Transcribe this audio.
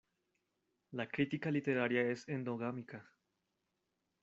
La crítica literaria es endogámica.